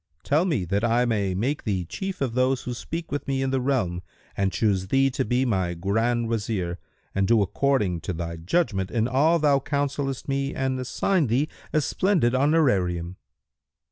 Tell me, that I may make thee chief of those who speak with me in the realm and choose thee to be my Grand Wazir and do according to thy judgment in all thou counsellest me and assign thee a splendid honorarium."